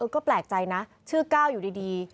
ก็แปลกใจนะชื่อ๙อยู่ดี